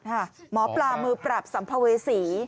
หมอปลามือปราบสัมภเวษี